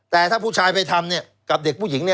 แต่ถ้าผู้ชายไปทำกับเด็กผู้หญิง